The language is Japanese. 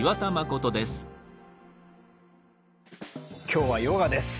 今日はヨガです。